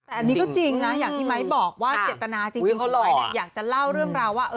แต่อันนี้ก็จริงนะอย่างที่ไม้บอกว่าเจตนาจริงเขาไลฟ์อยากจะเล่าเรื่องราวว่า